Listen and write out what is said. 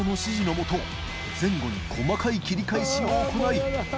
發前後に細かい切り返しを行い狩野）